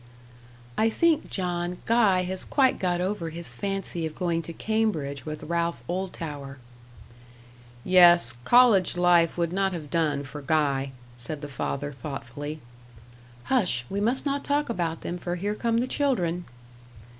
"I think, John, Guy has quite got over his fancy of going to Cambridge with Ralph Oldtower." "Yes; college life would not have done for Guy," said the father thoughtfully. "Hush! we must not talk about them, for here come the children."